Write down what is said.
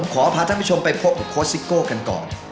ขอพาท่านผู้ชมไปพบกับโค้ชซิโก้กันก่อน